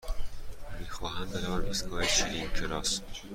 می خواهم بروم ایستگاه چرینگ کراس.